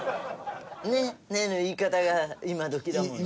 「ね？」の言い方が今どきだものね。